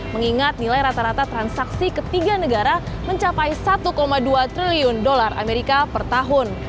mengingat nilai rata rata transaksi ketiga negara mencapai satu dua triliun dolar amerika per tahun